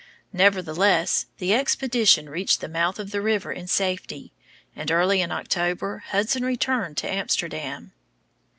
Nevertheless the expedition reached the mouth of the river in safety, and early in October Hudson returned to Amsterdam.